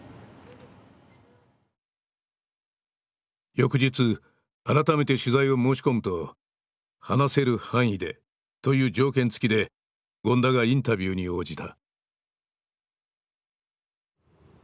翌日改めて取材を申し込むと「話せる範囲で」という条件付きで権田がインタビューに応じた。